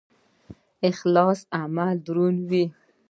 اخلاص عمل دروندوي